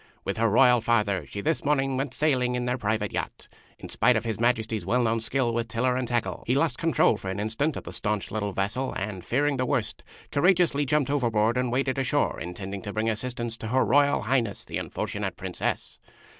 With her Royal Father she this morning went sailing in their private yacht. In spite of His Majesty's well known skill with tiller and tackle, he lost control for an instant of the stanch little vessel, and, fearing the worst, courageously jumped overboard and waded ashore, intending to bring assistance to Her Royal High ness, the unfortunate Princess.